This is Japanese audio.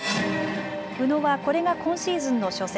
宇野はこれが今シーズンの初戦。